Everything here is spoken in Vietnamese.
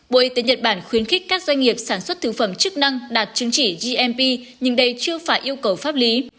bộ y tế nhật bản khuyến khích các doanh nghiệp sản xuất thực phẩm chức năng đạt chứng chỉ gmp nhưng đây chưa phải yêu cầu pháp lý